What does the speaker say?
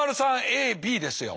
ＡＢですよ。